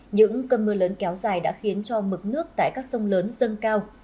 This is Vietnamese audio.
những cơn mưa lớn kéo dài đã khiến cho mực nước tại các sông lớn dâng cao